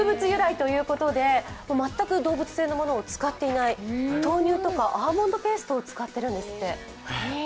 由来ということで全く動物性のものを使っていない、豆乳とかアーモンドペーストを使ってるんですって。